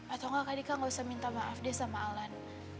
atau enggak kak dika gak usah minta maaf deh sama alan